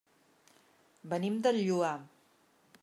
Venim del Lloar.